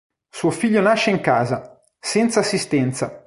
Suo figlio nasce in casa, senza assistenza.